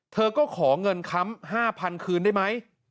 เธอก็ขอเงินค้ำ๕๐๐๐คืนได้ไหม